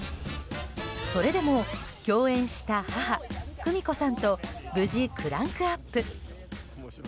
それでも共演した母・久美子さんと無事、クランクアップ。